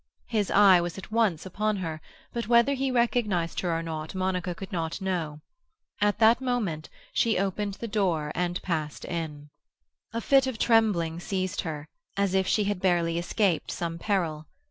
His eye was at once upon her; but whether he recognized her or not Monica could not know. At that moment she opened the door and passed in. A fit of trembling seized her, as if she had barely escaped some peril.